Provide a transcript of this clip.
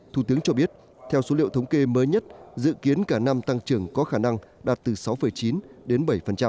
thủ tướng cho biết theo số liệu thống kê mới nhất dự kiến cả năm tăng trưởng có khả năng đạt từ sáu chín đến bảy